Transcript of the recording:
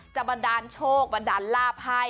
จะมาดารโชคมาดารลาบให้